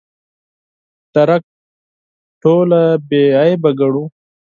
درک ټوله بې عیبه ګڼو.